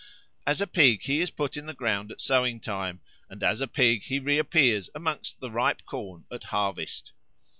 As a pig he is put in the ground at sowing time, and as a pig he reappears amongst the ripe corn at harvest.